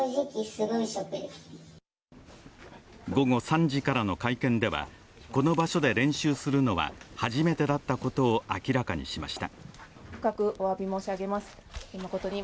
午後３時からの会見ではこの場所で練習するのは初めてだったことを明らかにしました。